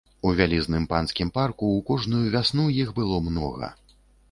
У вялізным панскім парку ў кожную вясну іх было многа.